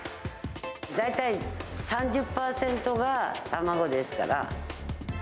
大体３０％が卵ですから。